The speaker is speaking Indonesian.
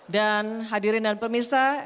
dan hadirin dan pemirsa